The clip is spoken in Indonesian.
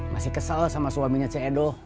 masih kesal sama suaminya ce edo